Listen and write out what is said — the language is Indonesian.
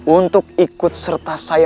untuk ikut serta saya